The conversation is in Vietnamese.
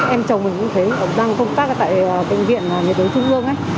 em chồng mình cũng thấy đang công tác tại bệnh viện nhiệt đới trung ương ấy